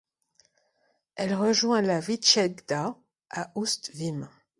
Elle rejoint la Vytchegda à Oust-Vym.